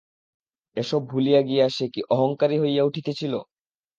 এসব ভুলিয়া গিয়া সে কি অহঙ্কারী হইয়া উঠিতেছিল?